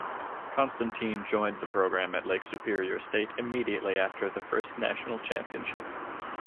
Constantin joined the program at Lake Superior State immediately after their first National Championship.